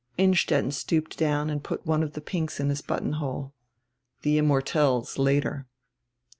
Innstetten stooped down and put one of die pinks in his buttonhole. "The immortelles later."